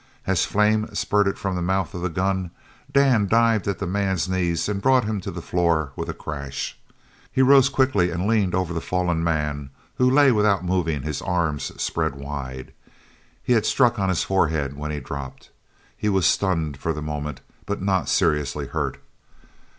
As flame spurted from the mouth of the gun, Dan dived at the man's knees and brought him to the floor with a crash. He rose quickly and leaned over the fallen man, who lay without moving, his arms spread wide. He had struck on his forehead when he dropped. He was stunned for the moment, but not seriously hurt.